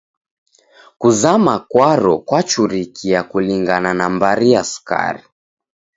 Kuzama kwaro kwachurikia kulingana na mbari ya sukari.